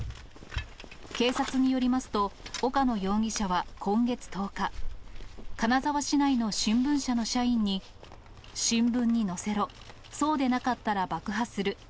警察によりますと、岡野容疑者は今月１０日、金沢市内の新聞社の社員に、新聞に載せろ、そうでなかったら爆破する。